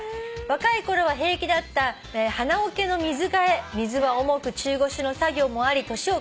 「若いころは平気だった花おけの水替え」「水は重く中腰の作業もあり年を感じております」